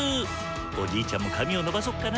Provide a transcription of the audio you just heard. おじいちゃんも髪を伸ばそっかな。